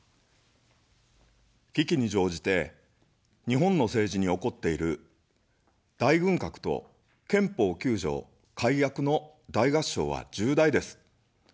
危機に乗じて、日本の政治に起こっている大軍拡と憲法９条改悪の大合唱は重大です。